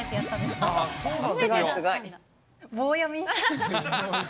棒読み。